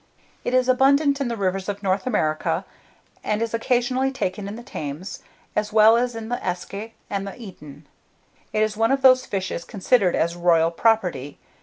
It is abundant in the rivers of North America, and is occasionally taken in the Thames, as well as in the Eske and the Eden. It is one of those fishes considered as royal property.